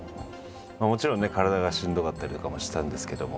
もちろんね体がしんどかったりとかもしてたんですけども。